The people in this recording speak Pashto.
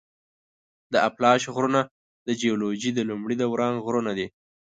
د اپلاش غرونه د جیولوجي د لومړي دوران غرونه دي.